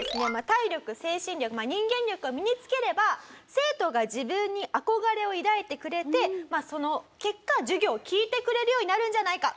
体力精神力人間力を身につければ生徒が自分に憧れを抱いてくれてその結果授業を聞いてくれるようになるんじゃないか？